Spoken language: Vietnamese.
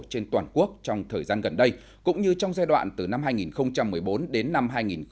trên toàn quốc trong thời gian gần đây cũng như trong giai đoạn từ năm hai nghìn một mươi bốn đến năm hai nghìn một mươi chín